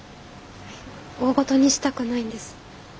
大ごとにしたくないんです。